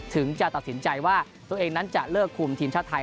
ถึงจะตัดสินใจว่าตัวเองนั้นจะเลิกคุมทีมชาติไทย